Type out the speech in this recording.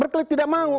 berklaim tidak mau